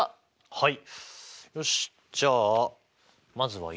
はい。